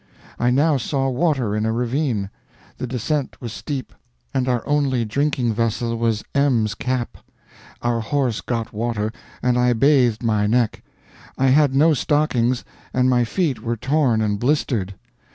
I now saw water in a ravine. The descent was steep, and our only drinking vessel was M 's cap. Our horse got water, and I bathed my neck. I had no stockings, and my feet were torn and blistered.